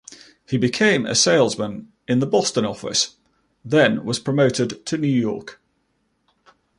He became a salesman in the Boston office, then was promoted to New York.